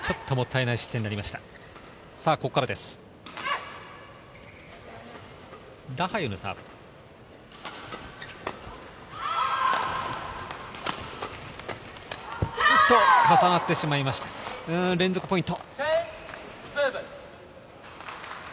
重なってしまいました、連続ポイント。